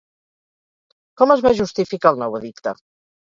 Com es va justificar el nou edicte?